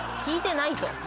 聞いてないと。